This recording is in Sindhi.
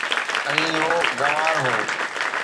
۽ اهو گنوار هو